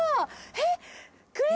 えっ？